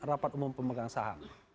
rapat umum pemegang saham